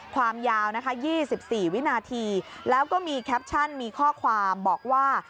ความยาวนะคะ๒๔วินาทีแล้วก็มีแคปชั่นมีข้อความบอกว่า